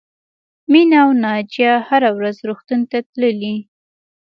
مینه او ناجیه هره ورځ روغتون ته تللې